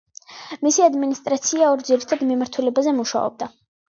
მისი ადმინისტრაცია ორ ძირითად მიმართულებაზე მუშაობდა.